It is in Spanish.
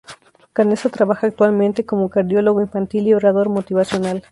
Canessa trabaja actualmente como cardiólogo infantil y orador motivacional.